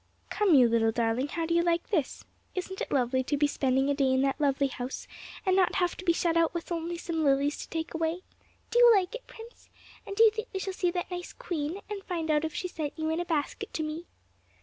'Come, you little darling, how do you like this? Isn't it lovely to be spending a day in that lovely house, and not have to be shut out with only some lilies to take away? Do you like it, Prince? And do you think we shall see that nice queen, and find out if she sent you in a basket to me?